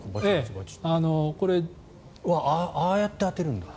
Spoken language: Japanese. ああやって当てるんだ。